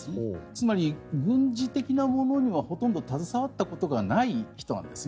つまり、軍事的なものにはほとんど携わったことがない人なんです。